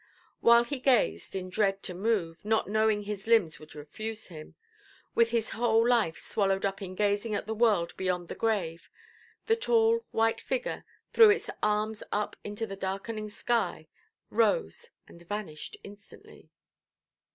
While he gazed, in dread to move (not knowing his limbs would refuse him), with his whole life swallowed up in gazing at the world beyond the grave, the tall, white figure threw its arms up to the darkening sky, rose, and vanished instantly.